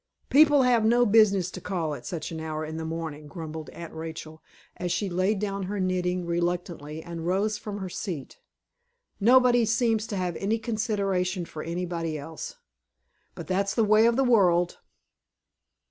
"People have no business to call at such an hour in the morning," grumbled Aunt Rachel, as she laid down her knitting reluctantly, and rose from her seat. "Nobody seems to have any consideration for anybody else. But that's the way of the world."